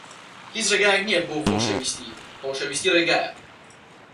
هیچ ڕێگایەک نییە بۆ خۆشەویستی. خۆشەویستی ڕێگایە.